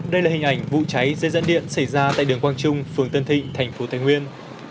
đây là hình ảnh vụ cháy dây dẫn điện xảy ra tại đường quang trung phường tân thịnh thành phố thái nguyên